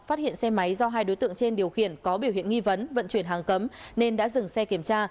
phát hiện xe máy do hai đối tượng trên điều khiển có biểu hiện nghi vấn vận chuyển hàng cấm